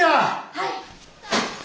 はい。